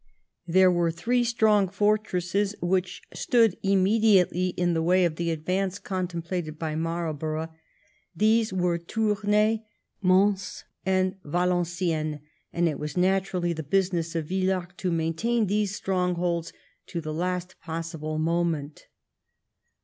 There were three strong fortresses which stood immediately in the way of the advance contemplated by Marlborough. These were Tournay, Mons, and Valenciennes, and it was naturally the business of Villars to maintain these strongholds to the last possible moment.